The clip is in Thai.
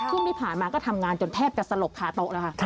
ช่วงที่ผ่านมาก็ทำงานจนแทบจะสลบคาโต๊ะแล้วค่ะ